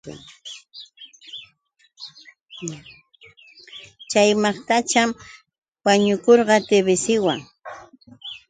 Chay maqtacham wañukurqa TBCwan.